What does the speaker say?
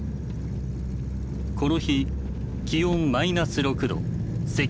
この日気温マイナス６度積雪５２センチ。